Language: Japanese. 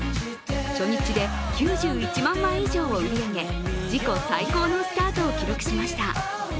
初日で９１万枚以上を売り上げ自己最高のスタートを記録しました。